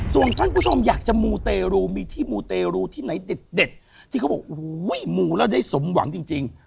ส่วนท่านผู้ชมอยากจะมูเตรูมีที่มูเตรูที่ไหนเด็ดที่เขาบอกโอ้โหมูแล้วได้สมหวังจริง